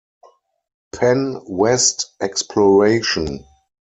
Penn West Exploration.